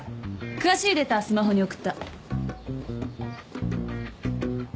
詳しいデータはスマホに送った。